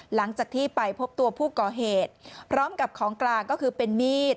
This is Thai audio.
หลังจากที่ไปพบตัวผู้ก่อเหตุพร้อมกับของกลางก็คือเป็นมีด